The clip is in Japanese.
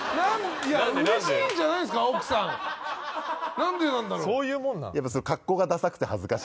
何でなんだろう。